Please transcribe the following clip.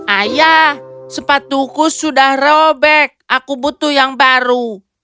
ayah sepatuku sudah robek aku butuh yang baru